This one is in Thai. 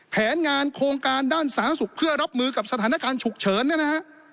แผนงานโครงการด้านสาธารณสุขเพื่อรับมือกับสถานการณ์ฉุกเฉินเนี่ยนะฮะ